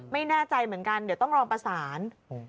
ไม่แน่ใจเหมือนกันเดี๋ยวต้องรอประสาน